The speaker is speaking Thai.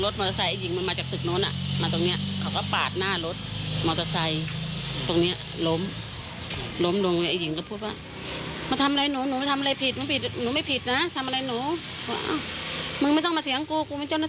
ถึงมาคู่มาถูกเครื่องไม่ต้องไปไหน